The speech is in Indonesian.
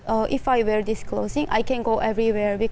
jika saya memakai pakaian ini saya bisa pergi ke mana mana